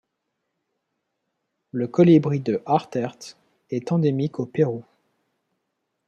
Le Colibri de Hartert est endémique au Pérou.